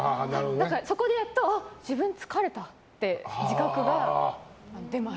そこでやっと自分疲れたって自覚が出ます。